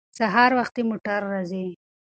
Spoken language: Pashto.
سهار وختي موټر راځي.